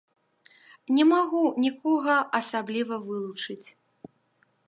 Не магу нікога асабліва вылучыць.